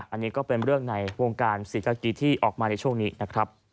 อันนี้ก็เป็นเรื่องในวงการศรีกากีที่ออกมาในช่วงนี้นะครับ